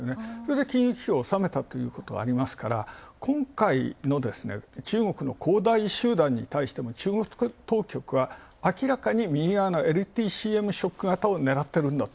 金融危機を収めたということがあるので今回の中国の中国の恒大集団に対しても中国当局はあきらかに右側のＬＴＣＭショック方を狙っていると。